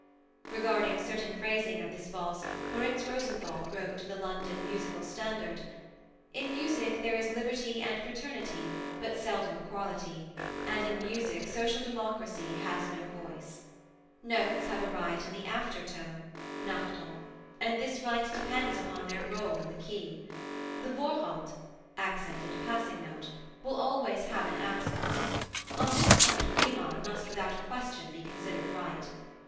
Regarding certain phrasing of this valse Moriz Rosenthal wrote to the London "Musical Standard": In Music there is Liberty and Fraternity, but seldom Equality, and in music Social Democracy has no voice. Notes have a right to the Aftertone (Nachton), and this right depends upon their role in the key. The Vorhalt (accented passing note) will always have an accent. On this point Riemann must without question be considered right.